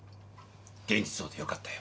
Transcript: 元気そうで良かったよ